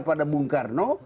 pada bung karno